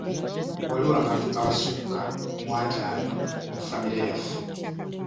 Waliwo abantu abasukka mu ataano mu famire yaffe.